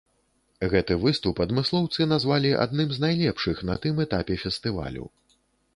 Гэты выступ адмыслоўцы назвалі адным з найлепшых на тым этапе фестывалю.